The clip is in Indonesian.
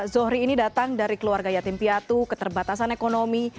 zohri ini datang dari keluarga yatim piatu keterbatasan ekonomi